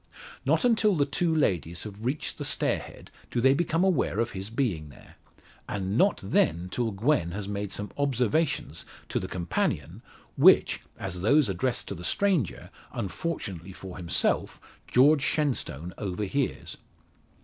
Not until the two ladies have reached the stair head do they become aware of his being there; and not then, till Gwen has made some observations to the companion, which, as those addressed to the stranger, unfortunately for himself, George Shenstone overhears.